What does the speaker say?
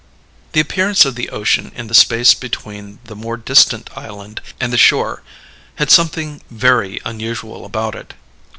The appearance of the ocean in the space between the more distant island and the shore had something very unusual about it.